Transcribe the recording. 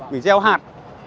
mình gieo hạt